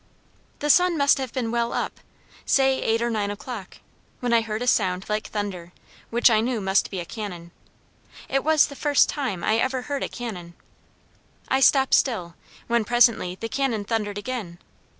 "The sun must have been well up, say eight or nine o'clock, when I heard a sound like thunder, which I knew must be a cannon. It was the first time I ever heard a cannon. I stopped still; when presently the cannon thundered again.